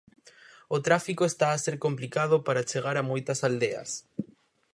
O tráfico está a ser complicado para chegar a moitas aldeas.